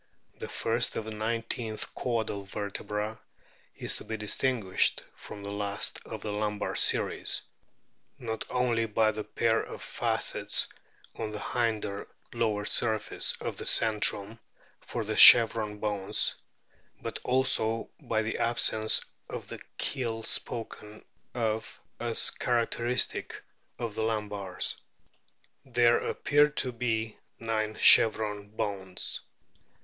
The first of the nineteen caudal vertebra is to be distinguished from the last of the lumbar series not only by the pair of facets on the hinder lower surface of the centrum for the chevron bones, but also by the absence of the keel spoken of as characteristic of the lumbars. There appear to be nine chevron bones.